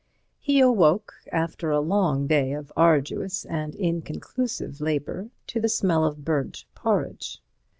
He awoke, after a long day of arduous and inconclusive labour, to the smell of burnt porridge.